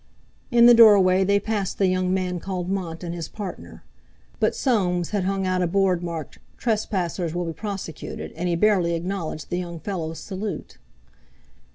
In the doorway they passed the young man called Mont and his partner. But Soames had hung out a board marked "Trespassers will be prosecuted," and he barely acknowledged the young fellow's salute.